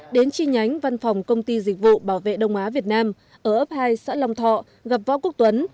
đến chi nhánh văn phòng công ty dịch vụ bảo vệ đông á việt nam ở ấp hai xã long thọ gặp võ quốc tuấn